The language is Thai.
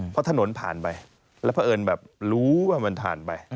เพราะถนนผ่านไปแล้วเพราะเอิญแบบรู้ว่ามันผ่านไป